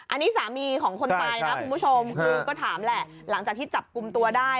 อันนี้สามีของคนตายนะคุณผู้ชมคือก็ถามแหละหลังจากที่จับกลุ่มตัวได้